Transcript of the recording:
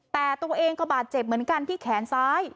แต่ตัวเองก็บาดเจ็บเหมือนกันที่แขนซ้าย